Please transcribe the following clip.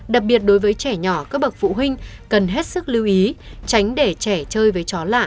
đặc biệt đối với trẻ nhỏ các bậc phụ huynh cần hết sức lưu ý tránh để trẻ chơi với chó lạ